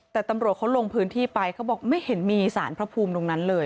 แต่ตำรวจเขาลงพื้นที่ไปเขาบอกไม่เห็นมีสารพระภูมิตรงนั้นเลย